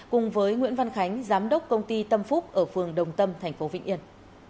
cùng với nguyễn văn khánh giám đốc công ty tâm phúc ở phường đồng tâm thành phố vĩnh yên